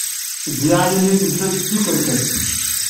Ddiɛaya-nni telfa-d d tikerkas.